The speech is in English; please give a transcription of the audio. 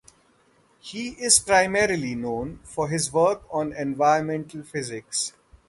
He is primarily known for his work on environmental physics.